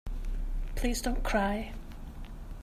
Please don't cry.